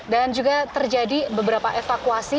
dan juga terjadi beberapa evakuasi